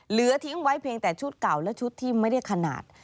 เหลือทิ้งไว้เพียงแต่ชุดเก่าและชุดที่ไม่ได้ขนาด